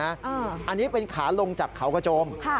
อันนี้เป็นขาลงจากเขากระโจม